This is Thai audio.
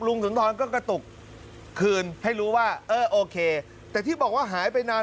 สุนทรก็กระตุกคืนให้รู้ว่าเออโอเคแต่ที่บอกว่าหายไปนาน